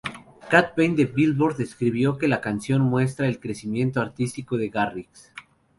Kat Bein de Billboard escribió que la canción muestra el crecimiento artístico de Garrix.